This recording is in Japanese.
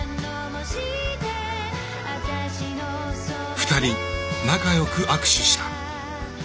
２人仲よく握手した。